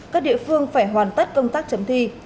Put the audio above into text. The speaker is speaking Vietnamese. các địa phương phải hoàn tất công tác chấm thi